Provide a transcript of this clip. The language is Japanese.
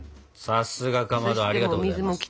さすがかまどありがとうございます。